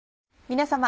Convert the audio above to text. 皆様。